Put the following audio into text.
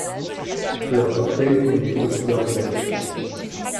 Fleurs réupinées, de couleur verte.